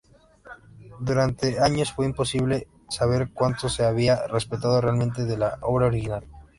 Durante años, fue imposible saber cuánto se había respetado realmente de la obra original.